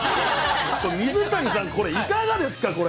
これ水谷さん、これ、いかがですか、これ。